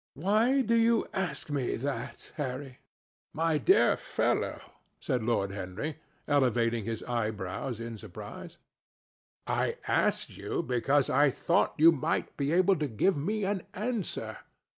"Why do you ask me that, Harry?" "My dear fellow," said Lord Henry, elevating his eyebrows in surprise, "I asked you because I thought you might be able to give me an answer.